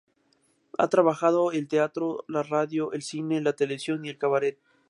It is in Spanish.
Ha trabajado el teatro, la radio, el cine, la televisión y el cabaret.